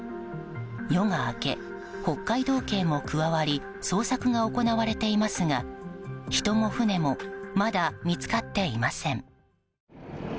夜が明け、北海道警も加わり捜索が行われていますが人も船もまだ見つかっていません。